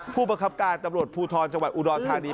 ผู้บังคับการตำรวจภูทรจังหวัดอุดรธานี